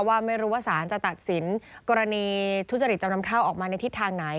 ว่าไม่รู้ว่าสารจะตัดสินกรณีทุจริตจำนำข้าวออกมาในทิศทางไหน